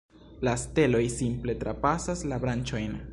La steloj simple trapasas la branĉojn.